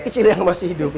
kecil yang masih hidup ya